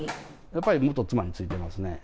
やっぱり元妻についてますね。